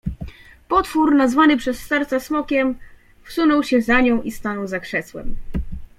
"Potwór, nazwany przez starca Smokiem, wsunął się za nią i stanął za krzesłem."